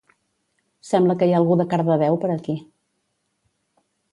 Sembla que hi ha algú de Cardedeu per aquí